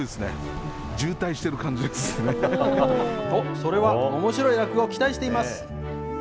それはおもしろい落語、期待しています。